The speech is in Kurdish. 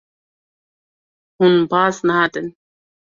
Hûn baz nadin.